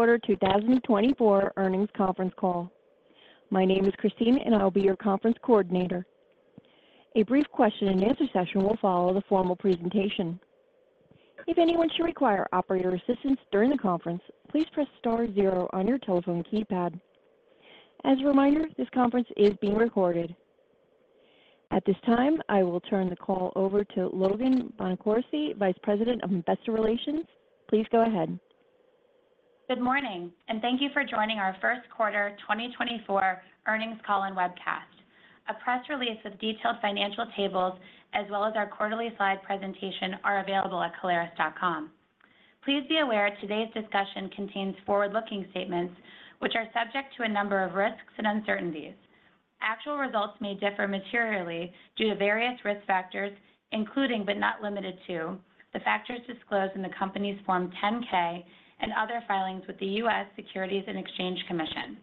Quarter 2024 earnings conference call. My name is Christine, and I will be your conference coordinator. A brief question and answer session will follow the formal presentation. If anyone should require operator assistance during the conference, please press star zero on your telephone keypad. As a reminder, this conference is being recorded. At this time, I will turn the call over to Logan Bonacorsi, Vice President of Investor Relations. Please go ahead. Good morning, and thank you for joining our first quarter 2024 earnings call and webcast. A press release of detailed financial tables, as well as our quarterly slide presentation, are available at Caleres.com. Please be aware today's discussion contains forward-looking statements which are subject to a number of risks and uncertainties. Actual results may differ materially due to various risk factors, including, but not limited to, the factors disclosed in the Company's Form 10-K and other filings with the US Securities and Exchange Commission.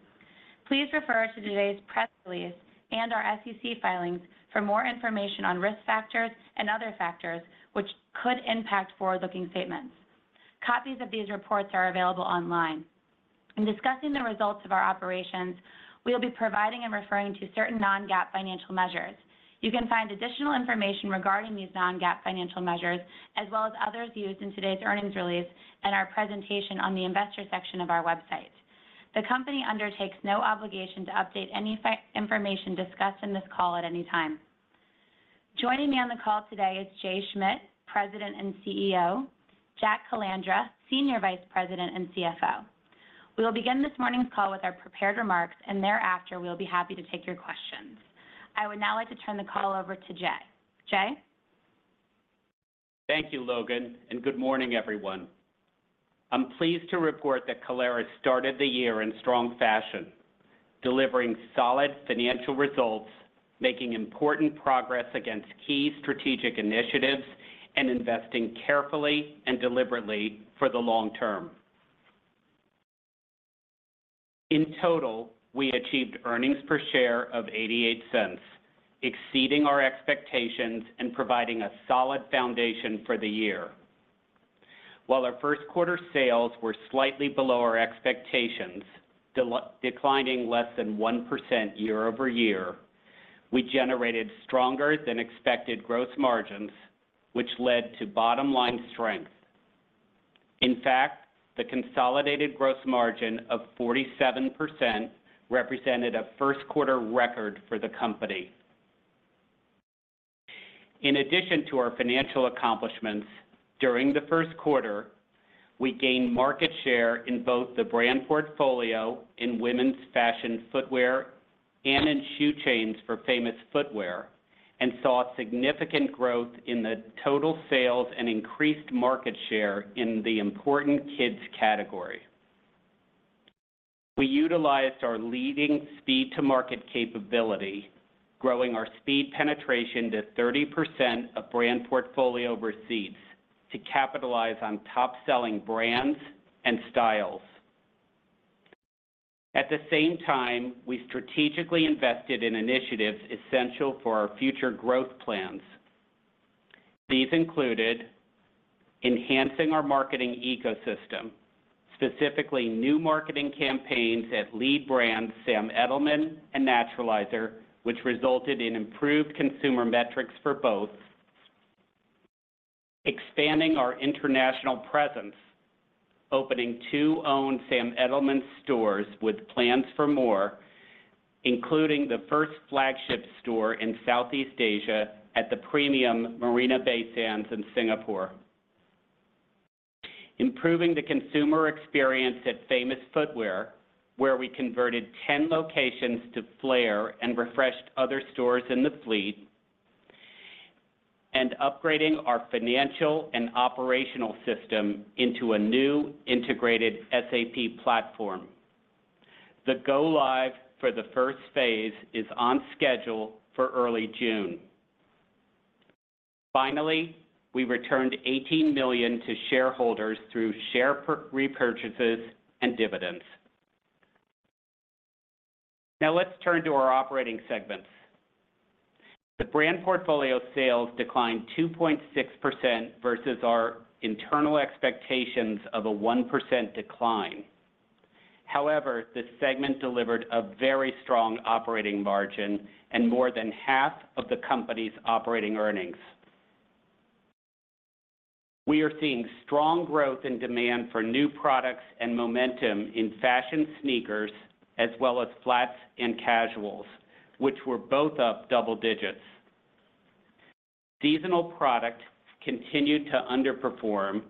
Please refer to today's press release and our SEC filings for more information on risk factors and other factors which could impact forward-looking statements. Copies of these reports are available online. In discussing the results of our operations, we'll be providing and referring to certain non-GAAP financial measures. You can find additional information regarding these non-GAAP financial measures, as well as others used in today's earnings release and our presentation on the Investor section of our website. The company undertakes no obligation to update any information discussed in this call at any time. Joining me on the call today is Jay Schmidt, President and CEO, Jack Calandra, Senior Vice President and CFO. We will begin this morning's call with our prepared remarks, and thereafter, we'll be happy to take your questions. I would now like to turn the call over to Jay. Jay? Thank you, Logan, and good morning, everyone. I'm pleased to report that Caleres started the year in strong fashion, delivering solid financial results, making important progress against key strategic initiatives, and investing carefully and deliberately for the long term. In total, we achieved earnings per share of $0.88, exceeding our expectations and providing a solid foundation for the year. While our first quarter sales were slightly below our expectations, declining less than 1% year-over-year, we generated stronger than expected gross margins, which led to bottom line strength. In fact, the consolidated gross margin of 47% represented a first quarter record for the company. In addition to our financial accomplishments, during the first quarter, we gained market share in both the brand portfolio in women's fashion footwear and in shoe chains for Famous Footwear, and saw significant growth in the total sales and increased market share in the important kids category. We utilized our leading speed-to-market capability, growing our speed penetration to 30% of brand portfolio receipts to capitalize on top-selling brands and styles. At the same time, we strategically invested in initiatives essential for our future growth plans. These included: enhancing our marketing ecosystem, specifically new marketing campaigns at lead brands Sam Edelman and Naturalizer, which resulted in improved consumer metrics for both. Expanding our international presence, opening two owned Sam Edelman stores with plans for more, including the first flagship store in Southeast Asia at the premium Marina Bay Sands in Singapore. Improving the consumer experience at Famous Footwear, where we converted 10 locations to Flair and refreshed other stores in the fleet. And upgrading our financial and operational system into a new integrated SAP platform. The go live for the first phase is on schedule for early June. Finally, we returned $18 million to shareholders through share repurchases and dividends. Now, let's turn to our operating segments. The brand portfolio sales declined 2.6% versus our internal expectations of a 1% decline. However, this segment delivered a very strong operating margin and more than half of the company's operating earnings. We are seeing strong growth and demand for new products and momentum in fashion sneakers, as well as flats and casuals, which were both up double digits. Seasonal product continued to underperform,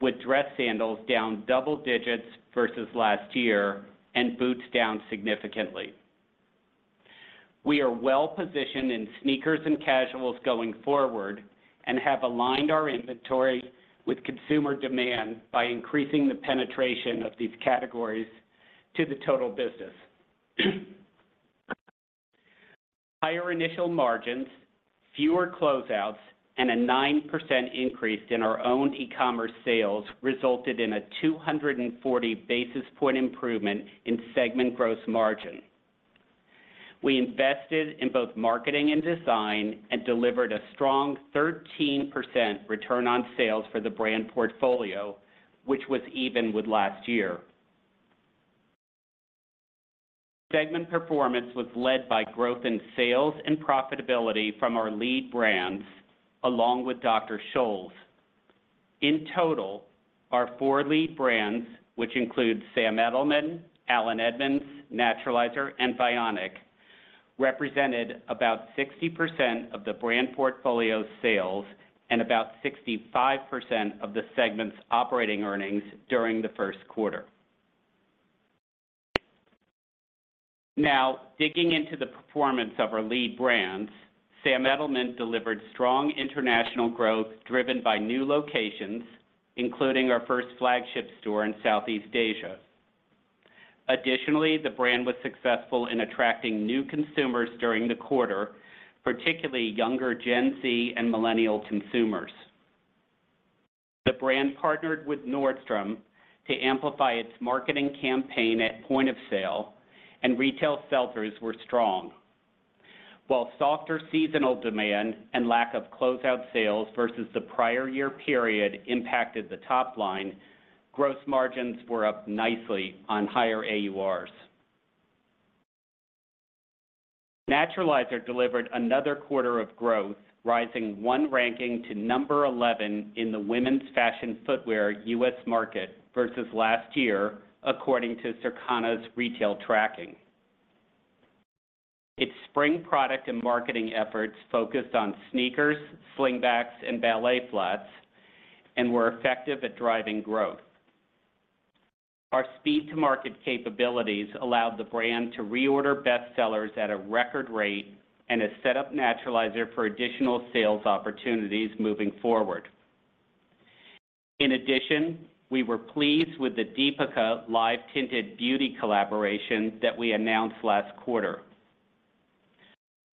with dress sandals down double digits versus last year and boots down significantly. We are well positioned in sneakers and casuals going forward and have aligned our inventory with consumer demand by increasing the penetration of these categories to the total business. Higher initial margins, fewer closeouts, and a 9% increase in our own e-commerce sales resulted in a 240 basis point improvement in segment gross margin. We invested in both marketing and design and delivered a strong 13% return on sales for the brand portfolio, which was even with last year. Segment performance was led by growth in sales and profitability from our lead brands, along with Dr. Scholl's. In total, our four lead brands, which include Sam Edelman, Allen Edmonds, Naturalizer, and Vionic, represented about 60% of the brand portfolio sales and about 65% of the segment's operating earnings during the first quarter. Now, digging into the performance of our lead brands, Sam Edelman delivered strong international growth, driven by new locations, including our first flagship store in Southeast Asia. Additionally, the brand was successful in attracting new consumers during the quarter, particularly younger Gen Z and millennial consumers. The brand partnered with Nordstrom to amplify its marketing campaign at point of sale, and retail filters were strong. While softer seasonal demand and lack of closeout sales versus the prior year period impacted the top line, gross margins were up nicely on higher AURs. Naturalizer delivered another quarter of growth, rising one ranking to number 11 in the women's fashion footwear U.S. market versus last year, according to Circana's retail tracking. Its spring product and marketing efforts focused on sneakers, slingbacks, and ballet flats, and were effective at driving growth. Our speed-to-market capabilities allowed the brand to reorder bestsellers at a record rate and has set up Naturalizer for additional sales opportunities moving forward. In addition, we were pleased with the Deepica Live Tinted beauty collaboration that we announced last quarter.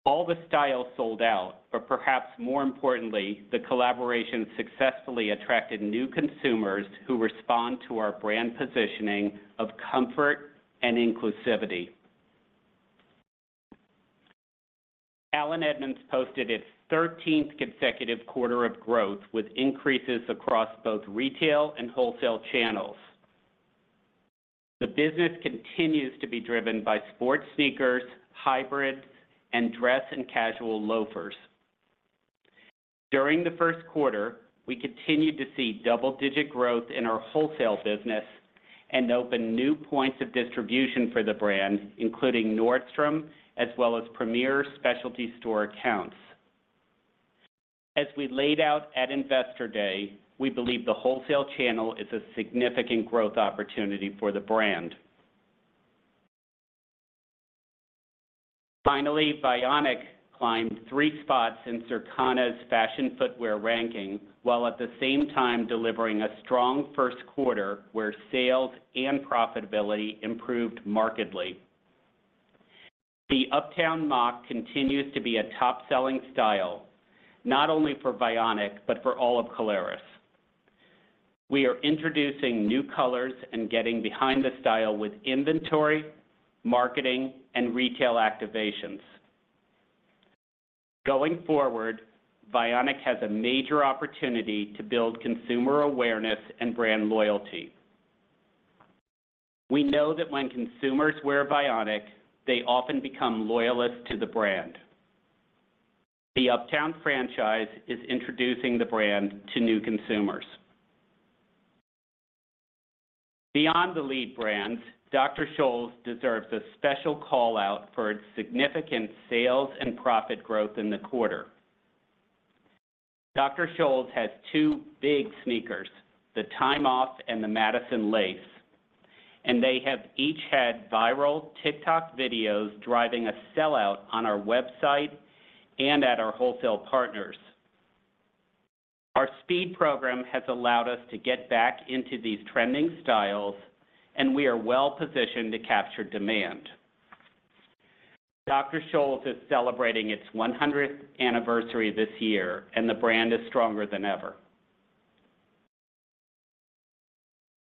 All the styles sold out, but perhaps more importantly, the collaboration successfully attracted new consumers who respond to our brand positioning of comfort and inclusivity. Allen Edmonds posted its thirteenth consecutive quarter of growth, with increases across both retail and wholesale channels. The business continues to be driven by sports sneakers, hybrid, and dress and casual loafers. During the first quarter, we continued to see double-digit growth in our wholesale business and opened new points of distribution for the brand, including Nordstrom, as well as premier specialty store accounts. As we laid out at Investor Day, we believe the wholesale channel is a significant growth opportunity for the brand. Finally, Vionic climbed three spots in Circana's fashion footwear ranking, while at the same time delivering a strong first quarter where sales and profitability improved markedly. The Uptown Moc continues to be a top-selling style, not only for Vionic, but for all of Caleres. We are introducing new colors and getting behind the style with inventory, marketing, and retail activations. Going forward, Vionic has a major opportunity to build consumer awareness and brand loyalty. We know that when consumers wear Vionic, they often become loyalists to the brand. The Uptown franchise is introducing the brand to new consumers. Beyond the lead brands, Dr. Scholl's deserves a special call-out for its significant sales and profit growth in the quarter. Dr. Scholl's has two big sneakers, the Time Off and the Madison Lace, and they have each had viral TikTok videos driving a sellout on our website and at our wholesale partners. Our speed program has allowed us to get back into these trending styles, and we are well positioned to capture demand. Dr. Scholl's is celebrating its 100th anniversary this year, and the brand is stronger than ever.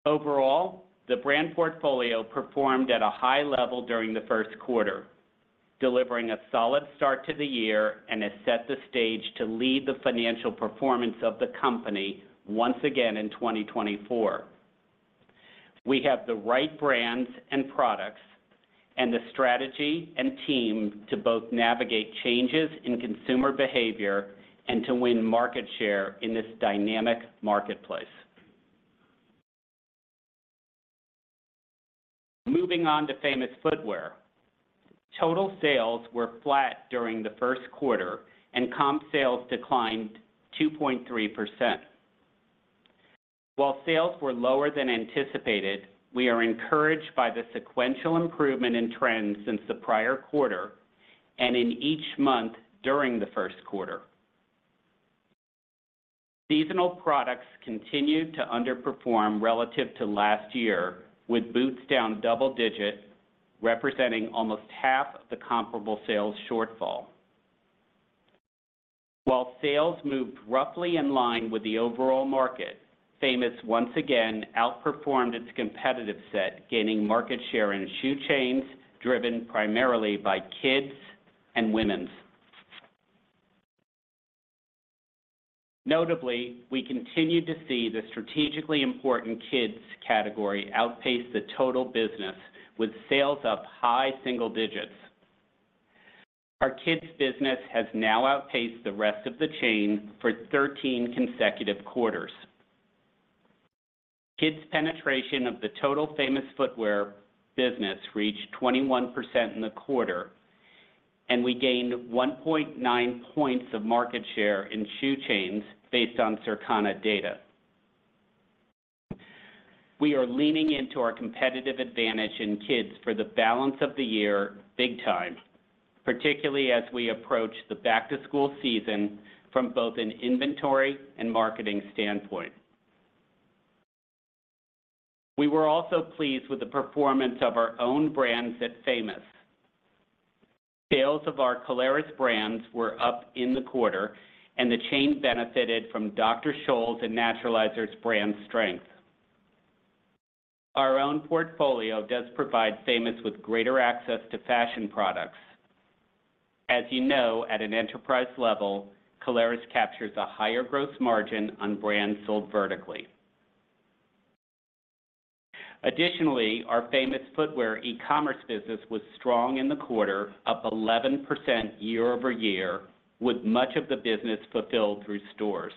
Overall, the brand portfolio performed at a high level during the first quarter, delivering a solid start to the year and has set the stage to lead the financial performance of the company once again in 2024. We have the right brands and products and the strategy and team to both navigate changes in consumer behavior and to win market share in this dynamic marketplace. Moving on to Famous Footwear. Total sales were flat during the first quarter, and comp sales declined 2.3%. While sales were lower than anticipated, we are encouraged by the sequential improvement in trends since the prior quarter and in each month during the first quarter. Seasonal products continued to underperform relative to last year, with boots down double-digit, representing almost half of the comparable sales shortfall. Sales moved roughly in line with the overall market. Famous once again outperformed its competitive set, gaining market share in shoe chains, driven primarily by kids and women's. Notably, we continued to see the strategically important kids category outpace the total business, with sales up high single digits. Our kids business has now outpaced the rest of the chain for 13 consecutive quarters. Kids' penetration of the total Famous Footwear business reached 21% in the quarter, and we gained 1.9 points of market share in shoe chains based on Circana data. We are leaning into our competitive advantage in kids for the balance of the year, big time, particularly as we approach the back-to-school season from both an inventory and marketing standpoint. We were also pleased with the performance of our own brands at Famous. Sales of our Caleres brands were up in the quarter, and the chain benefited from Dr. Scholl's and Naturalizer's brand strength. Our own portfolio does provide Famous with greater access to fashion products. As you know, at an enterprise level, Caleres captures a higher gross margin on brands sold vertically. Additionally, our Famous Footwear e-commerce business was strong in the quarter, up 11% year-over-year, with much of the business fulfilled through stores.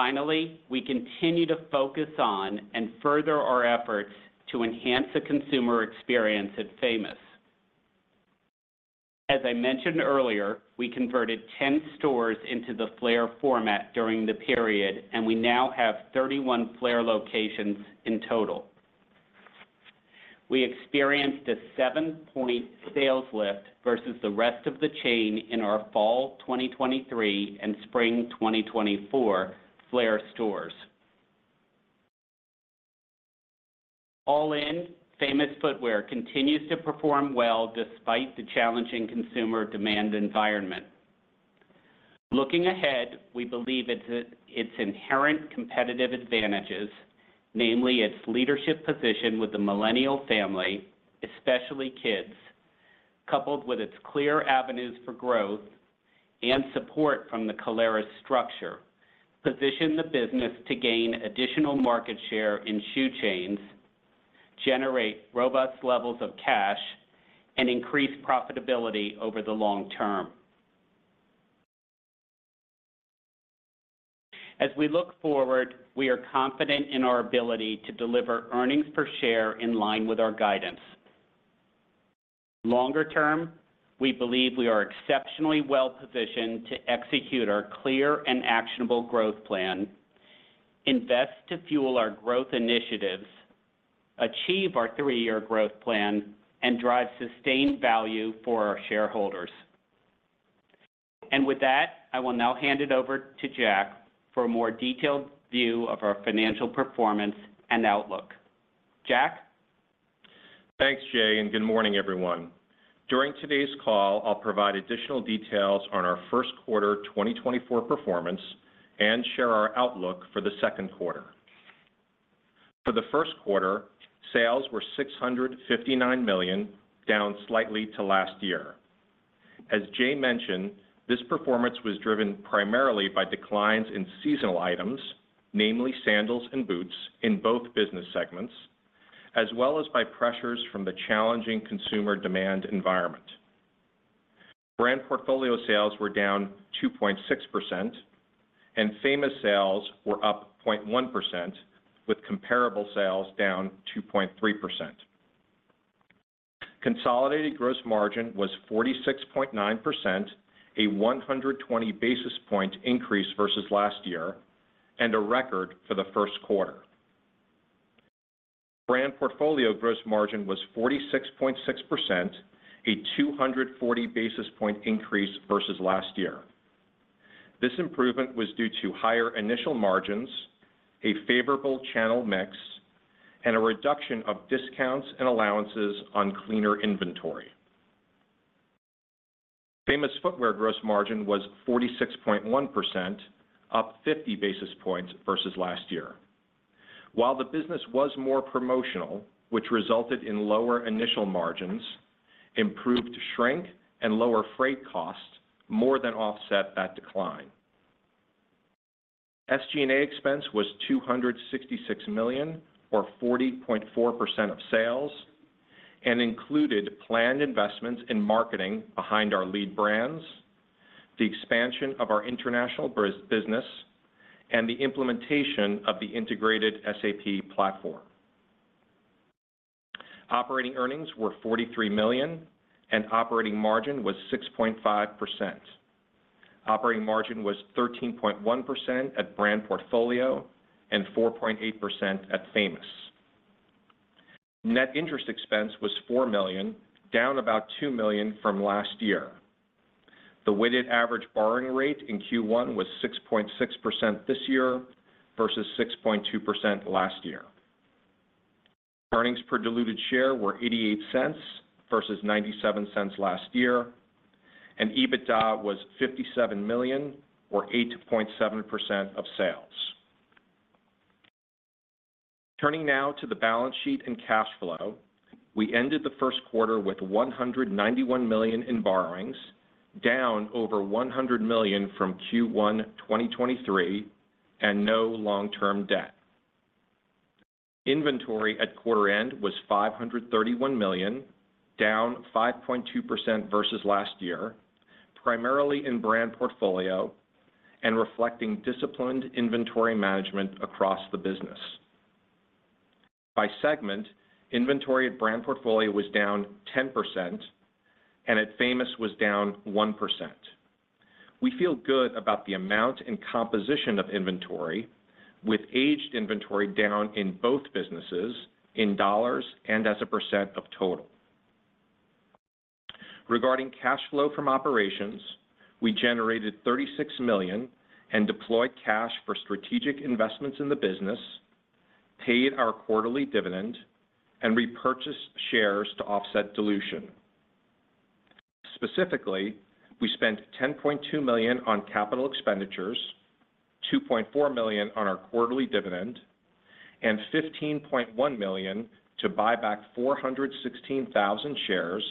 Finally, we continue to focus on and further our efforts to enhance the consumer experience at Famous. As I mentioned earlier, we converted 10 stores into the Flair format during the period, and we now have 31 Flair locations in total. We experienced a seven-point sales lift versus the rest of the chain in our fall 2023 and spring 2024 Flair stores. All in, Famous Footwear continues to perform well despite the challenging consumer demand environment. Looking ahead, we believe its inherent competitive advantages, namely its leadership position with the millennial family, especially kids, coupled with its clear avenues for growth and support from the Caleres structure, position the business to gain additional market share in shoe chains, generate robust levels of cash, and increase profitability over the long term. As we look forward, we are confident in our ability to deliver earnings per share in line with our guidance. Longer term, we believe we are exceptionally well positioned to execute our clear and actionable growth plan, invest to fuel our growth initiatives, achieve our three-year growth plan, and drive sustained value for our shareholders. With that, I will now hand it over to Jack for a more detailed view of our financial performance and outlook. Jack? Thanks, Jay, and good morning, everyone. During today's call, I'll provide additional details on our first quarter 2024 performance and share our outlook for the second quarter. For the first quarter, sales were $659 million, down slightly to last year. As Jay mentioned, this performance was driven primarily by declines in seasonal items, namely sandals and boots, in both business segments, as well as by pressures from the challenging consumer demand environment. Brand portfolio sales were down 2.6%, and Famous sales were up 0.1%, with comparable sales down 2.3%. Consolidated gross margin was 46.9%, a 120 basis point increase versus last year, and a record for the first quarter. Brand portfolio gross margin was 46.6%, a 240 basis point increase versus last year. This improvement was due to higher initial margins, a favorable channel mix, and a reduction of discounts and allowances on cleaner inventory. Famous Footwear gross margin was 46.1%, up 50 basis points versus last year. While the business was more promotional, which resulted in lower initial margins, improved shrink and lower freight costs more than offset that decline. SG&A expense was $266 million, or 40.4% of sales, and included planned investments in marketing behind our lead brands, the expansion of our international business, and the implementation of the integrated SAP platform. Operating earnings were $43 million, and operating margin was 6.5%. Operating margin was 13.1% at brand portfolio and 4.8% at Famous. Net interest expense was $4 million, down about $2 million from last year. The weighted average borrowing rate in Q1 was 6.6% this year versus 6.2% last year. Earnings per diluted share were $0.88 versus $0.97 last year, and EBITDA was $57 million or 8.7% of sales. Turning now to the balance sheet and cash flow. We ended the first quarter with $191 million in borrowings, down over $100 million from Q1 2023, and no long-term debt. Inventory at quarter end was $531 million, down 5.2% versus last year, primarily in Brand Portfolio and reflecting disciplined inventory management across the business. By segment, inventory at Brand Portfolio was down 10% and at Famous was down 1%. We feel good about the amount and composition of inventory, with aged inventory down in both businesses in dollars and as a percent of total. Regarding cash flow from operations, we generated $36 million and deployed cash for strategic investments in the business, paid our quarterly dividend, and repurchased shares to offset dilution. Specifically, we spent $10.2 million on capital expenditures, $2.4 million on our quarterly dividend, and $15.1 million to buy back 416,000 shares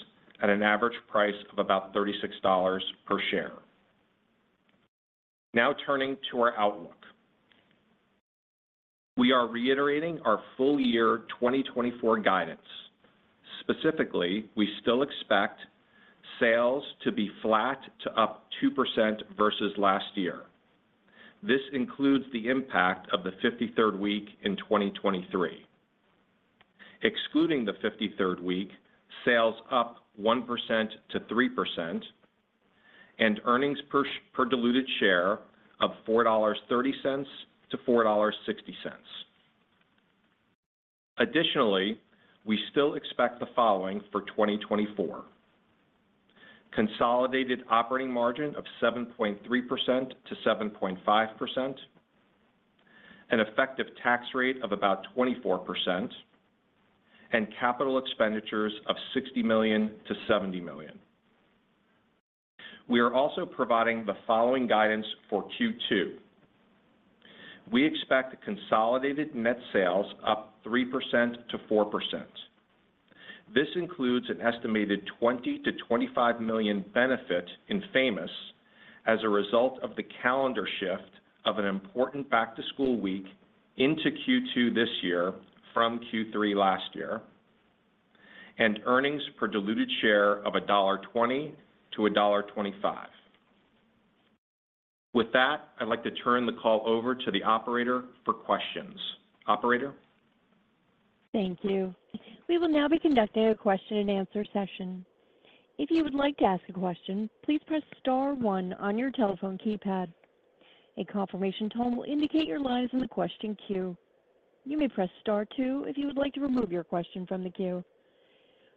at an average price of about $36 per share. Now turning to our outlook. We are reiterating our full-year 2024 guidance. Specifically, we still expect sales to be flat to up 2% versus last year. This includes the impact of the 53rd week in 2023. Excluding the 53rd week, sales up 1%-3% and earnings per diluted share of $4.30-$4.60. Additionally, we still expect the following for 2024: consolidated operating margin of 7.3%-7.5%, an effective tax rate of about 24%, and capital expenditures of $60 million-$70 million. We are also providing the following guidance for Q2. We expect consolidated net sales up 3%-4%. This includes an estimated $20-$25 million benefit in Famous as a result of the calendar shift of an important back-to-school week into Q2 this year from Q3 last year, and earnings per diluted share of $1.20-$1.25. With that, I'd like to turn the call over to the operator for questions. Operator? Thank you. We will now be conducting a question and answer session. If you would like to ask a question, please press star one on your telephone keypad. A confirmation tone will indicate your line is in the question queue. You may press star two if you would like to remove your question from the queue.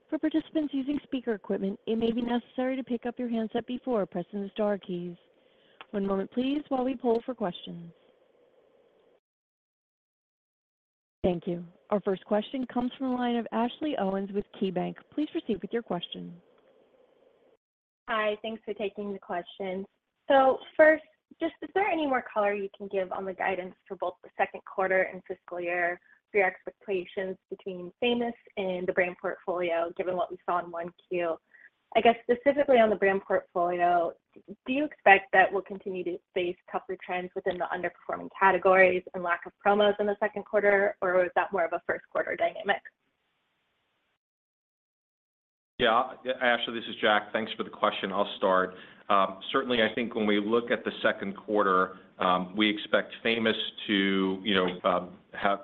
For participants using speaker equipment, it may be necessary to pick up your handset before pressing the star keys. One moment, please, while we poll for questions. Thank you. Our first question comes from the line of Ashley Owens with KeyBanc. Please proceed with your question. Hi, thanks for taking the question. So first, just is there any more color you can give on the guidance for both the second quarter and fiscal year for your expectations between Famous and the Brand Portfolio, given what we saw in 1Q? I guess, specifically on the Brand Portfolio, do you expect that we'll continue to face tougher trends within the underperforming categories and lack of promos in the second quarter, or was that more of a first quarter dynamic? Yeah, Ashley, this is Jack. Thanks for the question. I'll start. Certainly, I think when we look at the second quarter, we expect Famous to, you know,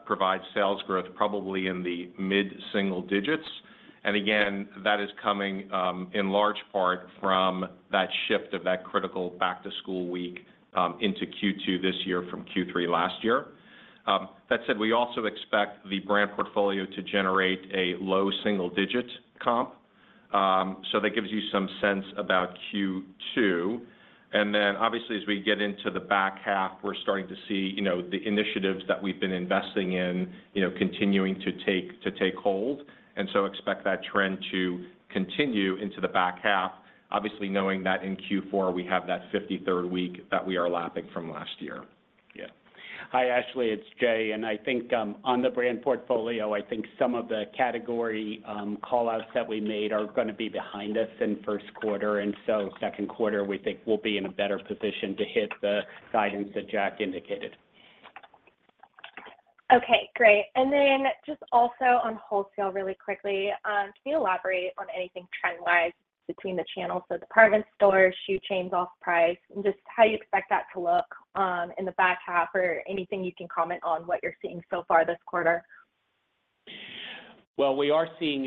provide sales growth probably in the mid-single digits. And again, that is coming in large part from that shift of that critical back-to-school week into Q2 this year from Q3 last year. That said, we also expect the Brand Portfolio to generate a low single digit comp. So that gives you some sense about Q2. And then obviously, as we get into the back half, we're starting to see, you know, the initiatives that we've been investing in, you know, continuing to take hold, and so expect that trend to continue into the back half. Obviously, knowing that in Q4 we have that 53rd week that we are lapping from last year. Yeah. Hi, Ashley, it's Jay. I think, on the brand portfolio, I think some of the category call-outs that we made are gonna be behind us in first quarter, and so second quarter, we think we'll be in a better position to hit the guidance that Jack indicated. Okay, great. And then just also on wholesale really quickly, can you elaborate on anything trend-wise between the channels, so department stores, shoe chains, off-price, and just how you expect that to look in the back half, or anything you can comment on what you're seeing so far this quarter? Well, we are seeing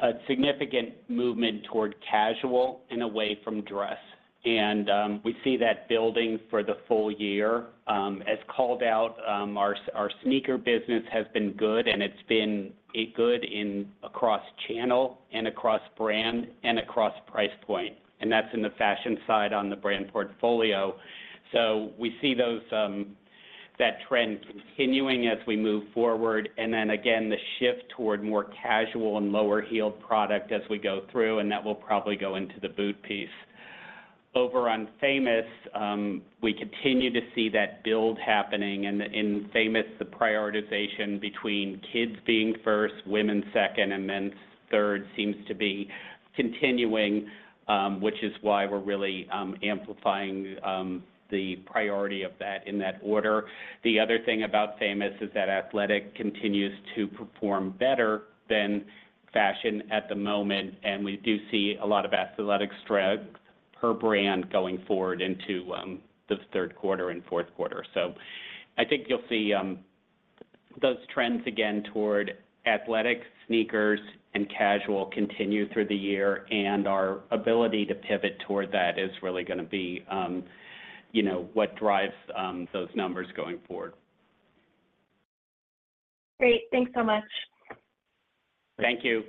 a significant movement toward casual and away from dress, and we see that building for the full year. As called out, our sneaker business has been good, and it's been good in across channel and across brand and across price point, and that's in the fashion side on the Brand Portfolio. So we see that trend continuing as we move forward, and then again, the shift toward more casual and lower-heeled product as we go through, and that will probably go into the boot piece. Over on Famous, we continue to see that build happening, and in Famous, the prioritization between kids being first, women second, and men third, seems to be continuing, which is why we're really amplifying the priority of that in that order. The other thing about Famous is that athletic continues to perform better than fashion at the moment, and we do see a lot of athletic strength per brand going forward into the third quarter and fourth quarter. So I think you'll see those trends again toward athletic, sneakers, and casual continue through the year, and our ability to pivot toward that is really gonna be, you know, what drives those numbers going forward. Great. Thanks so much. Thank you.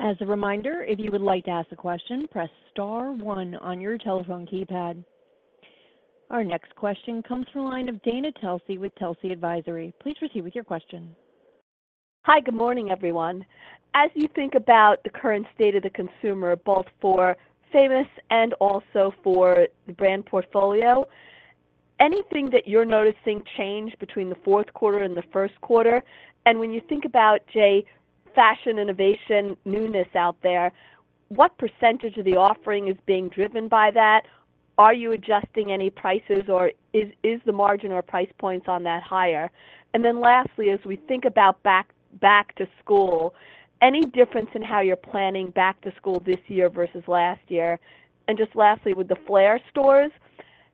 As a reminder, if you would like to ask a question, press star one on your telephone keypad. Our next question comes from the line of Dana Telsey with Telsey Advisory. Please proceed with your question. Hi, good morning, everyone. As you think about the current state of the consumer, both for Famous and also for the brand portfolio, anything that you're noticing change between the fourth quarter and the first quarter? And when you think about, Jay, fashion, innovation, newness out there, what percentage of the offering is being driven by that? Are you adjusting any prices, or is, is the margin or price points on that higher? And then lastly, as we think about back, back to school, any difference in how you're planning back to school this year versus last year? And just lastly, with the Flair stores,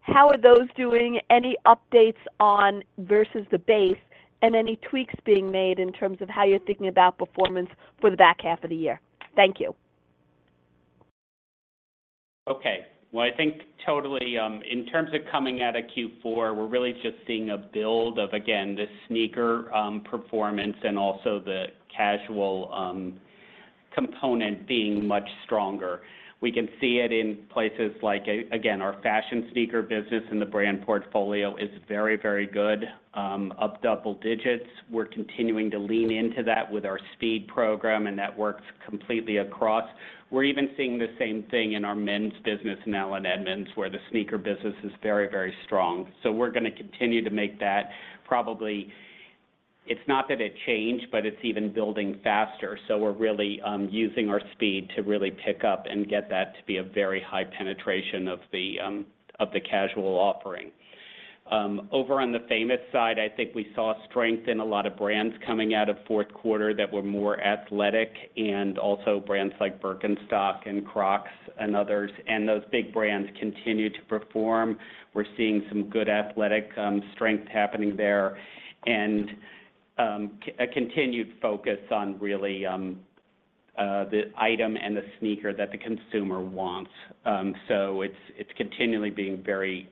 how are those doing? Any updates on versus the base and any tweaks being made in terms of how you're thinking about performance for the back half of the year? Thank you. Okay. Well, I think totally, in terms of coming out of Q4, we're really just seeing a build of, again, the sneaker performance and also the casual component being much stronger. We can see it in places like, again, our fashion sneaker business and the brand portfolio is very, very good, up double digits. We're continuing to lean into that with our speed program, and that works completely across. We're even seeing the same thing in our men's business now in Allen Edmonds, where the sneaker business is very, very strong. So we're gonna continue to make that. Probably, it's not that it changed, but it's even building faster, so we're really, using our speed to really pick up and get that to be a very high penetration of the, of the casual offering. Over on the Famous side, I think we saw strength in a lot of brands coming out of fourth quarter that were more athletic and also brands like Birkenstock and Crocs and others, and those big brands continue to perform. We're seeing some good athletic strength happening there and a continued focus on really the item and the sneaker that the consumer wants. So it's continually being very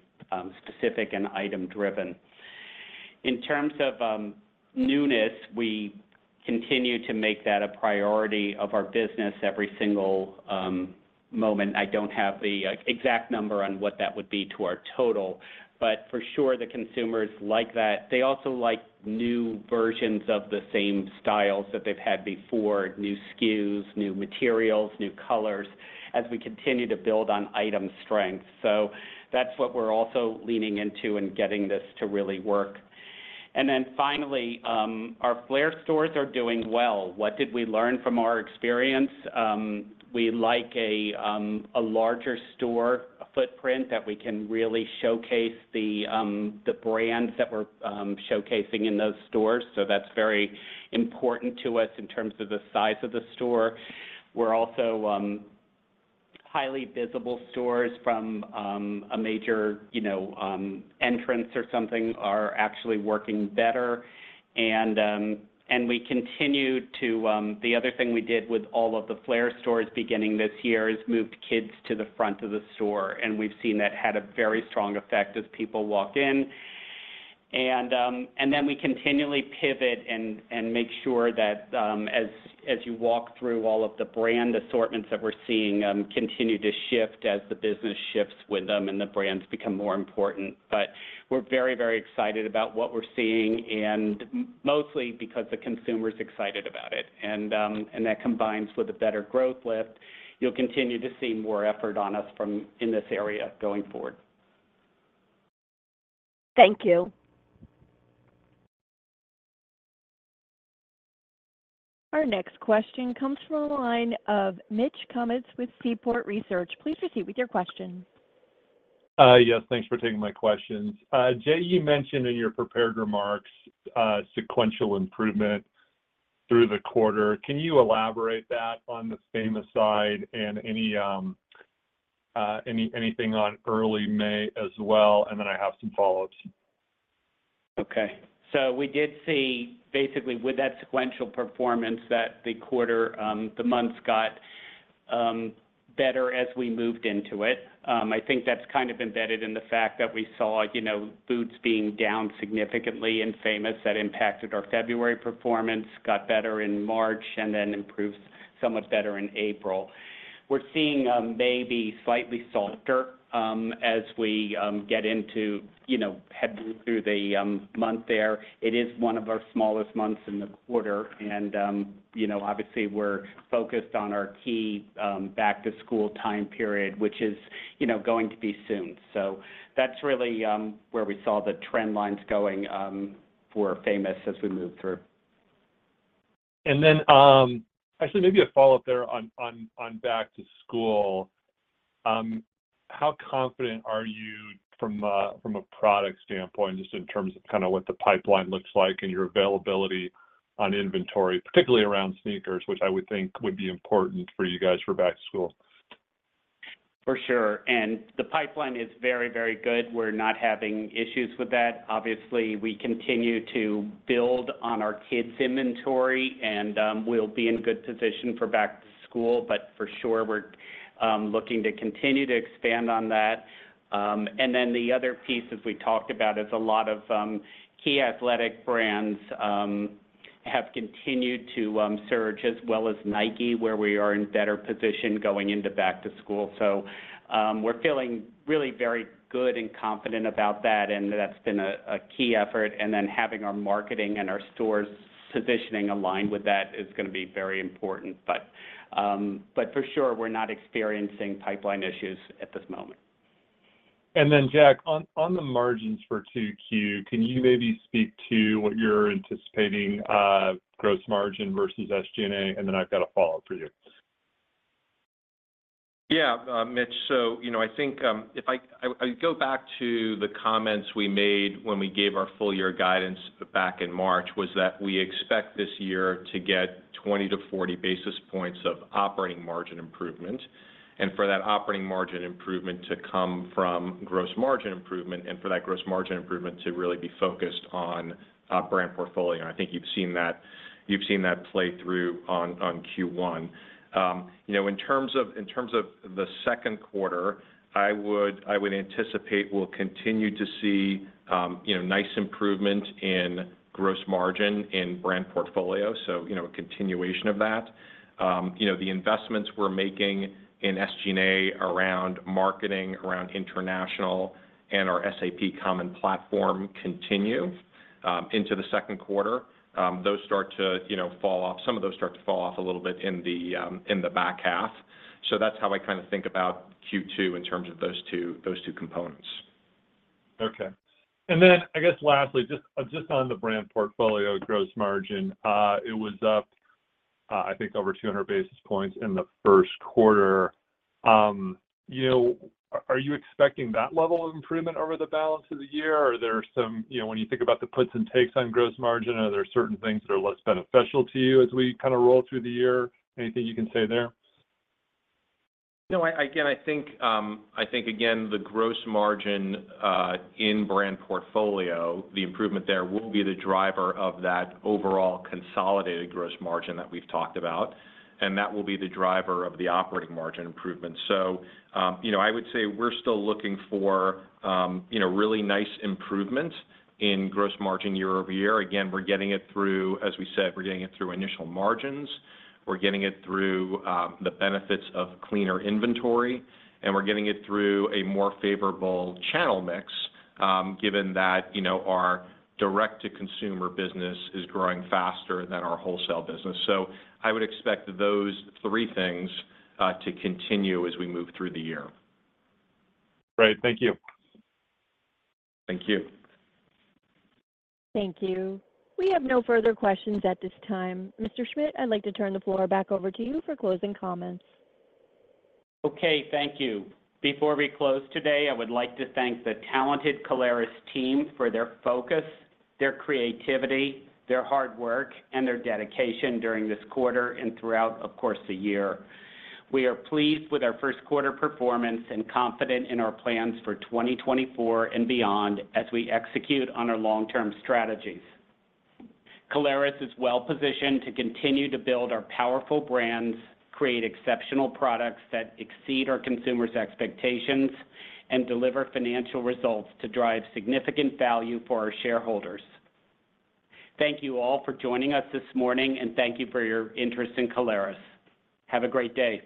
specific and item driven. In terms of newness, we continue to make that a priority of our business every single moment. I don't have the exact number on what that would be to our total, but for sure, the consumers like that. They also like new versions of the same styles that they've had before, new SKUs, new materials, new colors, as we continue to build on item strength. So that's what we're also leaning into and getting this to really work. And then finally, our Flair stores are doing well. What did we learn from our experience? We like a larger store footprint that we can really showcase the brands that we're showcasing in those stores. So that's very important to us in terms of the size of the store. We're also highly visible stores from a major, you know, entrance or something, are actually working better. The other thing we did with all of the Flair stores beginning this year is moved kids to the front of the store, and we've seen that had a very strong effect as people walk in. And then we continually pivot and make sure that as you walk through all of the brand assortments that we're seeing, continue to shift as the business shifts with them and the brands become more important. But we're very, very excited about what we're seeing, and mostly because the consumer is excited about it. And that combines with a better growth lift. You'll continue to see more effort on us from in this area going forward. Thank you. Our next question comes from the line of Mitch Kummetz with Seaport Research. Please proceed with your question. Yes, thanks for taking my questions. Jay, you mentioned in your prepared remarks sequential improvement through the quarter. Can you elaborate that on the Famous side and anything on early May as well? And then I have some follow-ups. Okay. So we did see basically with that sequential performance, that the quarter, the months got better as we moved into it. I think that's kind of embedded in the fact that we saw, you know, boots being down significantly in Famous. That impacted our February performance, got better in March, and then improved somewhat better in April. We're seeing maybe slightly softer as we get into, you know, head through the month there. It is one of our smallest months in the quarter, and, you know, obviously, we're focused on our key back-to-school time period, which is, you know, going to be soon. So that's really where we saw the trend lines going for Famous as we move through. And then, actually maybe a follow-up there on back-to-school. How confident are you from a product standpoint, just in terms of kinda what the pipeline looks like and your availability on inventory, particularly around sneakers, which I would think would be important for you guys for back-to-school? For sure, and the pipeline is very, very good. We're not having issues with that. Obviously, we continue to build on our kids' inventory, and we'll be in good position for back to school, but for sure, we're looking to continue to expand on that. And then the other piece, as we talked about, is a lot of key athletic brands have continued to surge, as well as Nike, where we are in better position going into back to school. So, we're feeling really very good and confident about that, and that's been a key effort, and then having our marketing and our stores positioning aligned with that is gonna be very important. But for sure, we're not experiencing pipeline issues at this moment. And then, Jack, on the margins for 2Q, can you maybe speak to what you're anticipating, gross margin versus SG&A? And then I've got a follow-up for you. Yeah, Mitch. So, you know, I think, if I go back to the comments we made when we gave our full year guidance back in March, was that we expect this year to get 20-40 basis points of operating margin improvement, and for that operating margin improvement to come from gross margin improvement, and for that gross margin improvement to really be focused on our brand portfolio. I think you've seen that, you've seen that play through on Q1. You know, in terms of the second quarter, I would anticipate we'll continue to see, you know, nice improvement in gross margin in brand portfolio, so, you know, a continuation of that. You know, the investments we're making in SG&A around marketing, around international, and our SAP common platform continue into the second quarter. Those start to, you know, fall off. Some of those start to fall off a little bit in the back half. So that's how I kinda think about Q2 in terms of those two, those two components. Okay. And then, I guess lastly, just, just on the brand portfolio gross margin, it was up, I think, over 200 basis points in the first quarter. You know, are you expecting that level of improvement over the balance of the year, or are there some... You know, when you think about the puts and takes on gross margin, are there certain things that are less beneficial to you as we kinda roll through the year? Anything you can say there? No, again, I think, again, the gross margin in brand portfolio, the improvement there will be the driver of that overall consolidated gross margin that we've talked about, and that will be the driver of the operating margin improvement. So, you know, I would say we're still looking for, you know, really nice improvements in gross margin year-over-year. Again, we're getting it through, as we said, we're getting it through initial margins, we're getting it through the benefits of cleaner inventory, and we're getting it through a more favorable channel mix, given that, you know, our direct-to-consumer business is growing faster than our wholesale business. So I would expect those three things to continue as we move through the year. Great. Thank you. Thank you. Thank you. We have no further questions at this time. Mr. Schmidt, I'd like to turn the floor back over to you for closing comments. Okay, thank you. Before we close today, I would like to thank the talented Caleres team for their focus, their creativity, their hard work, and their dedication during this quarter and throughout, of course, the year. We are pleased with our first quarter performance and confident in our plans for 2024 and beyond as we execute on our long-term strategies. Caleres is well positioned to continue to build our powerful brands, create exceptional products that exceed our consumers' expectations, and deliver financial results to drive significant value for our shareholders. Thank you all for joining us this morning, and thank you for your interest in Caleres. Have a great day.